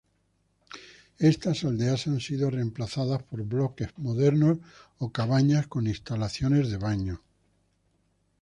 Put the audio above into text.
Estas aldeas han sido reemplazadas por bloques modernos o cabañas con instalaciones de baño.